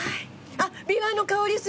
あっびわの香りする。